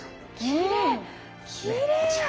きれい！